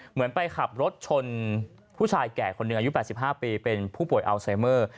เหมือนไปขับรถชนผู้ชายแก่คนหนึ่งอายุ๘๕ปีเป็นผู้ป่วยอัลไซเมอร์